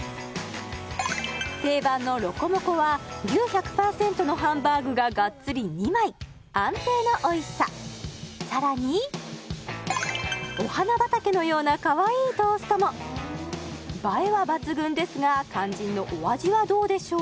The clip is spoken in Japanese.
定番のロコモコは牛１００％のハンバーグががっつり２枚安定のおいしささらにお花畑のようなかわいいトーストも映えは抜群ですが肝心のお味はどうでしょう？